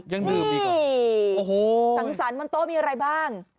ยังดื่มดีกว่าโอ้โฮสันวันโต้มีอะไรบ้าง